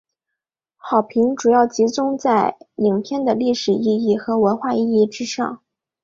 好评主要集中在影片的历史意义和文化意义之上。